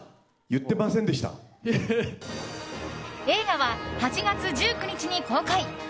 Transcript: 映画は８月１９日に公開。